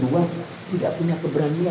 kedua tidak punya keberanian